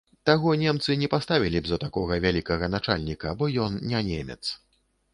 Таго немцы не паставілі б за такога вялікага начальніка, бо ён не немец.